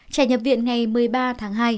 trẻ nhập viện ngày một mươi ba tháng hai